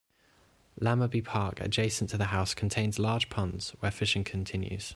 Lamorbey Park adjacent to the house contains large ponds where fishing continues.